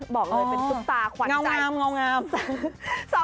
บอกเลยเป็นทุกป่าขวัญใจน้ำค่ะ